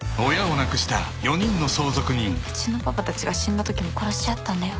「うちのパパたちが死んだときも殺し合ったんだよ」